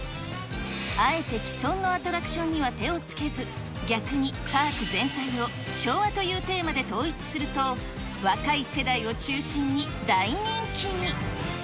あえて既存のアトラクションには手をつけず、逆にパーク全体を昭和というテーマで統一すると、若い世代を中心に大人気に。